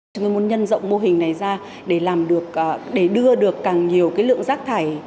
chúng tôi muốn nhân rộng mô hình này ra để đưa được càng nhiều lượng rác thải